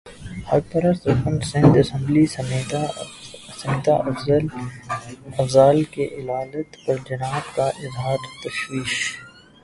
حق پرست رکن سندھ اسمبلی سمیتا افضال کی علالت پر جناب کا اظہار تشویش